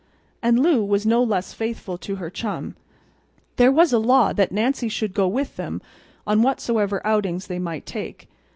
And Lou was no less faithful to her chum. There was a law that Nancy should go with them on whatsoever outings they might take.